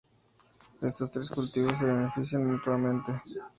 Estos tres cultivos se benefician mutuamente.